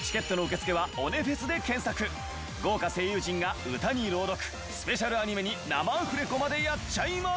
豪華声優陣が歌に朗読スペシャルアニメに生アフレコまでやっちゃいます！